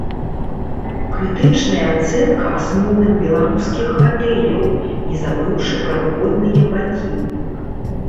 Крытычная ацэнка асноўных беларускіх гатэляў, не забыўшы пра выгодныя бакі.